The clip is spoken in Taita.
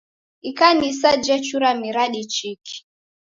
Ikanisa jechura miradi chiki.